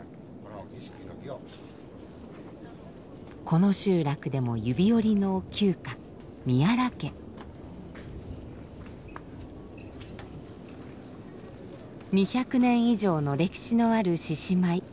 この集落でも指折りの旧家２００年以上の歴史のある獅子舞。